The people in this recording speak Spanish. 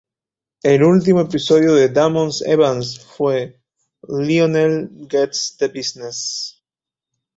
El último episodio de Damon Evans fue "Lionel Gets the Business".